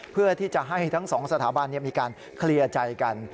เพื่อที่จะให้ทั้งสองสถาบันมีการเคลียร์ใจกัน